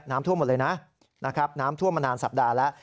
น้ำท่วมหมดเลยนะนะครับน้ำท่วมมานานสัปดาห์แล้ว